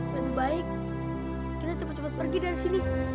lebih baik kita cepat cepat pergi dari sini